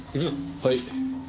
はい。